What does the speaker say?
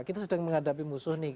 kita sedang menghadapi musuh nih